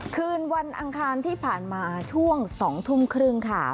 คืนวันอังคารที่ผ่านมาช่วง๒ทุ่มครึ่งค่ะ